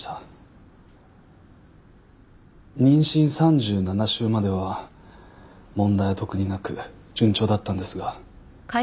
妊娠３７週までは問題は特になく順調だったんですが。